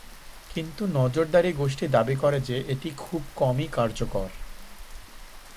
কিন্তু নজরদারি গোষ্ঠী দাবি করে যে এটি খুব কমই কার্যকর।